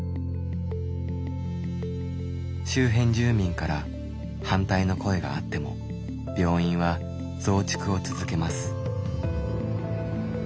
周辺住民から反対の声があっても病院は増築を続けます。